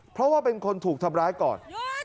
เพราะว่าเป็นคนถูกทำร้ายก่อน